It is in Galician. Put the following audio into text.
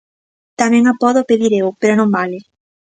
Tamén a podo pedir eu, pero non vale.